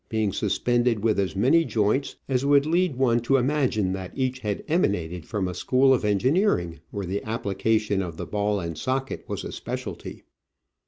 being suspended with as many joints as would lead one to imagine that each had emanated from a school of enorineerinor where the application of the ball and socket was a speciality.